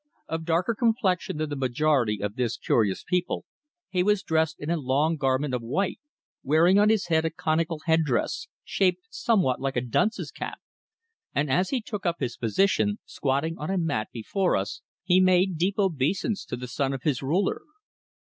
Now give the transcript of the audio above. Of darker complexion than the majority of this curious people, he was dressed in a long garment of white, wearing on his head a conical head dress, shaped somewhat like a dunce's cap, and as he took up his position, squatting on a mat before us, he made deep obeisance to the son of his ruler.